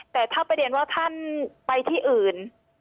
แต่ถ้าไปเรียนว่าท่านไปที่อื่น